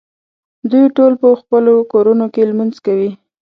دوی ټول په خپلو کورونو کې لمونځ کوي.